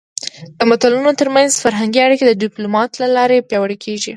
د ملتونو ترمنځ فرهنګي اړیکې د ډيپلومات له لارې پیاوړې کېږي.